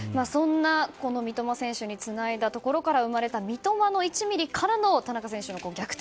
三笘選手につないだところから生まれた、三笘の１ｍｍからの田中選手の逆転